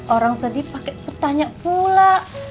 orang sedih pakai petanya pula